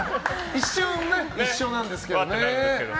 一瞬、一緒なんですけどね。